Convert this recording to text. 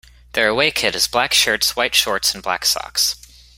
Their away kit is black shirts, white shorts and black socks.